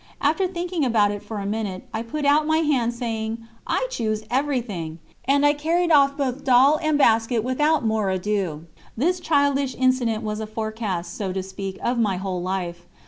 After thinking about it for a minute, I put out my hand saying: "I choose everything," and I carried off both doll and basket without more ado. This childish incident was a forecast, so to speak, of my whole life.